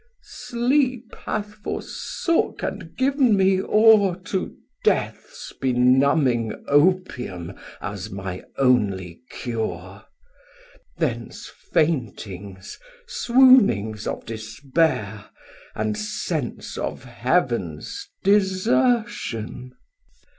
Sleep hath forsook and giv'n me o're To deaths benumming Opium as my only cure. 630 Thence faintings, swounings of despair, And sense of Heav'ns desertion.